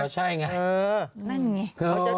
ใช่ไง